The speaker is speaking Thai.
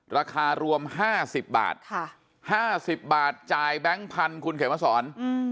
ราคารวม๕๐บาท๕๐บาทจ่ายแบงค์พันธุ์คุณเขียนมาสอน